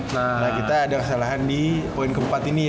nah kita ada kesalahan di poin ke empat ini ya